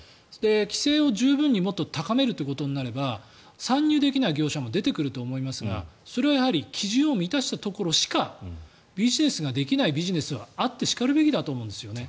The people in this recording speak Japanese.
規制を十分にもっと高めるということになれば参入できない業者も出てくると思いますがそれは基準を満たしたところしかビジネスができないビジネスはあってしかるべきだと思うんですよね。